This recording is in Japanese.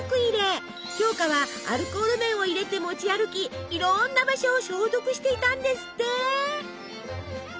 鏡花はアルコール綿を入れて持ち歩きいろんな場所を消毒していたんですって。